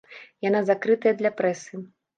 Яна закрытая для прэсы.